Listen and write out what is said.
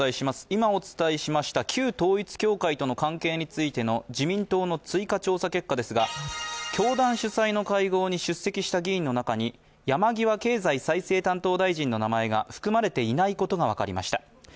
今お伝えしました旧統一教会との関係についての自民党の追加調査結果ですが、教団主催の会合に出席した議員の中に山際経済再生担当大臣の名前が含まれていないことが分かりました。